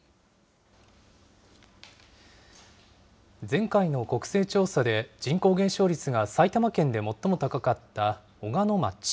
前回の国勢調査で、人口減少率が埼玉県で最も高かった小鹿野町。